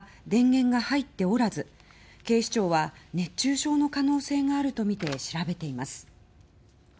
寝室に設置されたエアコンは電源が入っておらず警視庁は熱中症の可能性があるとみて調べています。